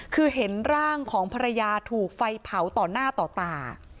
คือเห็นร่างของภรรยาถูกไฟเผาต่อหน้าต่อตา